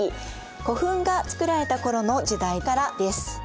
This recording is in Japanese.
古墳が造られた頃の時代からです。